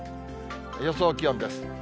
予想気温です。